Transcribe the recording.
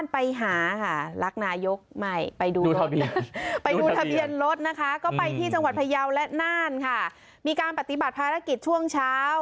พระเยาว์และน่านค่ะมีการปฏิบัติภารกิจช่วงเช้า